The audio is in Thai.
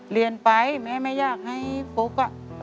เรียนไปแม่ไม่อยากให้ฟุ๊กอ่ะ